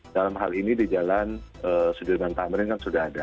dalam hal ini di jalan sudirman tamrin kan sudah ada